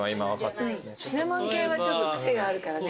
シナモン系はちょっと癖があるからね。